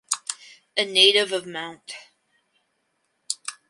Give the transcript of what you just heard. A native of Mt.